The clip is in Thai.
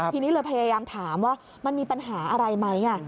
ทีนี้เลยพยายามถามว่ามันมีปัญหาอะไรไหม